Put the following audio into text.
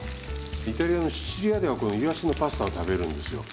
イタリアのシチリアではこのイワシのパスタを食べるんですよ。